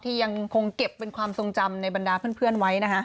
ยังคงเก็บเป็นความทรงจำในบรรดาเพื่อนไว้นะฮะ